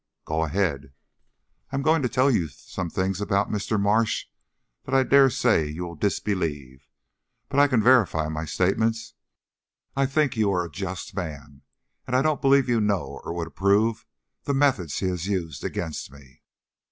"Go ahead." "I am going to tell you some things about Mr. Marsh that I dare say you will disbelieve, but I can verify my statements. I think you are a just man, and I don't believe you know, or would approve, the methods he has used against me."